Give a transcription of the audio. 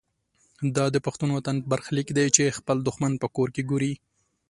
دا د پښتون وطن برخلیک دی چې خپل دښمن په کور کې ګوري.